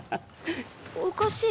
おかしい？